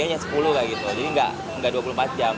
jadi nggak dua puluh empat jam